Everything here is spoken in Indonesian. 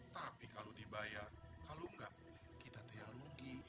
tapi kalau dibayar kalau nggak kita tuh yang rugi